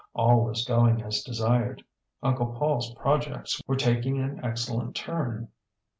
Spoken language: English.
All was going as desired; Uncle PaulŌĆÖs projects were taking an excellent turn.